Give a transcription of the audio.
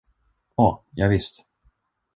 Åh, ja visst!